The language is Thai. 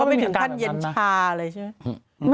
ไม่ถึงขั้นเย็นชาเลยใช่ไหม